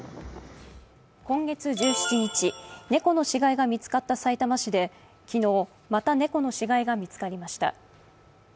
今月１７日、猫の死骸が見つかったさいたま市で、昨日、また猫の死骸が見つかりました。